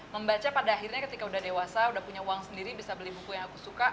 membaca pada akhirnya ketika udah dewasa udah punya uang sendiri bisa beli buku yang aku suka